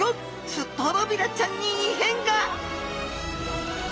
ストロビラちゃんに異変が！